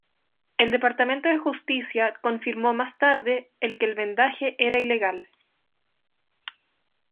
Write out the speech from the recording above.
El Departamento de Justicia confirmó más tarde el que el vendaje era ilegal.